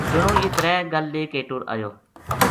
جنو یہ ترے گل لے کے ٹُر ایو